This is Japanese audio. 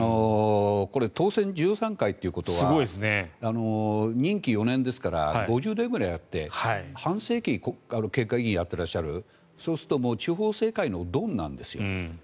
これ、当選１３回ということは任期４年ですから５０年くらいやって、半世紀県会議員をやっていらっしゃるそうすると地方政界のドンなんですよ。